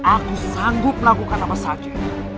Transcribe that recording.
aku sanggup melakukan apa saja